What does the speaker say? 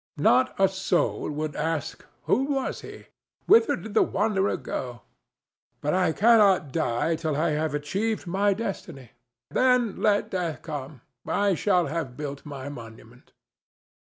Not a soul would ask, 'Who was he? Whither did the wanderer go?' But I cannot die till I have achieved my destiny. Then let Death come: I shall have built my monument."